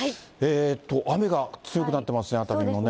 雨が強くなってますね、熱海もね。